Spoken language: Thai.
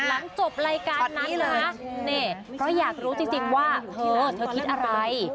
หลังจบรายการนั้นเลยนะนี่เพราะอยากรู้จริงว่าเธอคิดอะไร